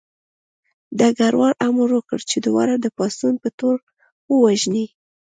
ډګروال امر وکړ چې دواړه د پاڅون په تور ووژني